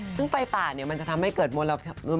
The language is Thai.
ซึ่งไฟป่าเนี่ยมันจะทำให้เกิดมลพิษนุ